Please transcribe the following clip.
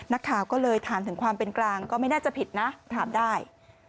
นักข่าวก็เลยถามถึงความเป็นกลางก็ไม่น่าจะผิดนะถามได้